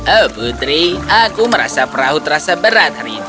eh putri aku merasa perahu terasa berat hari ini